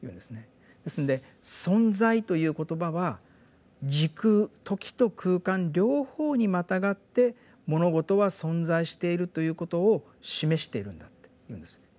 ですので「存在」という言葉は「時空」「時」と「空間」両方にまたがって物事は存在しているということを示しているんだっていうんです。